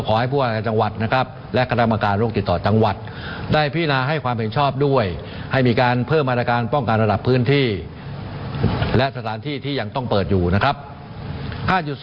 กิจกรรมทางศาสนาวัฒนธรรมและกีฬา